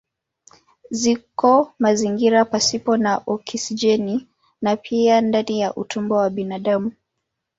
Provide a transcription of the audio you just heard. Ziko mazingira pasipo na oksijeni na pia ndani ya utumbo wa binadamu.